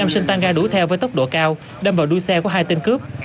năm sinh tăng ga đuổi theo với tốc độ cao đâm vào đuôi xe của hai tên cướp